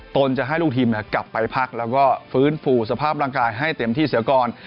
ตนจะให้ลูกทีมกลับไปพักแล้วก็ฟื้นฟูสภาพร่างกายให้เต็มที่เสียก่อน